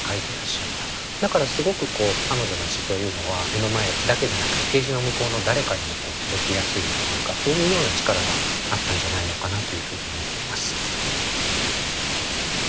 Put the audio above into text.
だからすごく彼女の詩というのは目の前だけじゃなくてページの向こうの誰かに届けやすいというかそういうような力があったんじゃないのかなというふうに思っています。